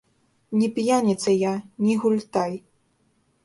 Ні п'яніца я, ні гультай.